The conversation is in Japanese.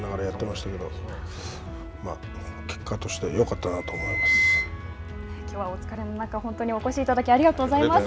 まあ、結果としてよかったなときょうはお疲れの中本当にお越しいただきありがとうございます。